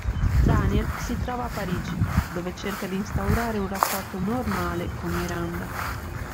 Daniel si trova a Parigi, dove cerca di instaurare un rapporto 'normale' con Miranda.